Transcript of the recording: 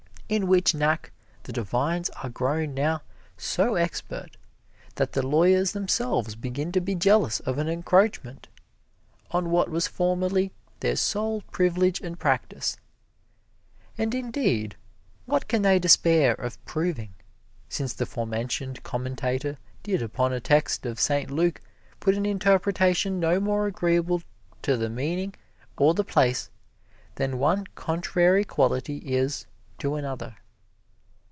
In which knack the divines are grown now so expert that the lawyers themselves begin to be jealous of an encroachment on what was formerly their sole privilege and practise. And indeed what can they despair of proving, since the forementioned commentator did upon a text of Saint Luke put an interpretation no more agreeable to the meaning or the place than one contrary quality is to another.